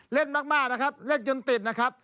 เล่นมากนะครับเล่นจนติดนะครับ